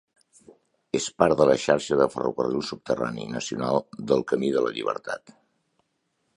És part de la xarxa de ferrocarril subterrani nacional del Camí de la llibertat.